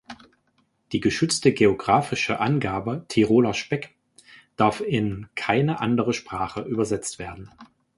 Die geschützte geographische Angabe „Tiroler Speck“ darf in keine andere Sprache übersetzt werden.